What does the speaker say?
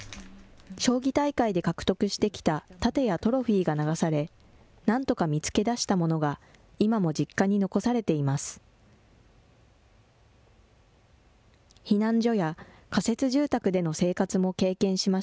将棋大会で獲得してきた盾やトロフィーが流され、なんとか見つけ出したものが、今も実家に残されています。